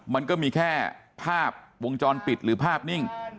มันก็มีแค่ภาพวงจรปิดหรือภาพนิ่ง